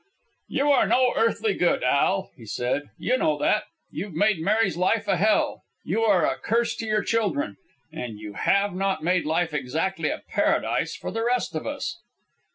"You are no earthly good, Al," he said. "You know that. You've made Mary's life a hell. You are a curse to your children. And you have not made life exactly a paradise for the rest of us."